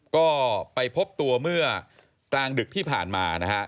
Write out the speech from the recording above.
ก็ไปพบตัวเมื่อกลางดึกที่ผ่านมานะฮะ